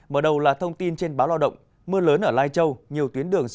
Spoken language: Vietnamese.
mở đầu là thông tin trên báo loa đông